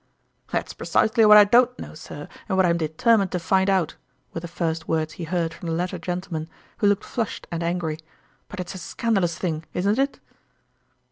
" That's precisely what I don't know, sir, and what I'm determined to find out !" were the first words he heard from the latter gentle man, who looked flushed and angry. " But it's a scandalous thing, isn't it